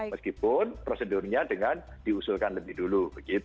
meskipun prosedurnya dengan diusulkan lebih dulu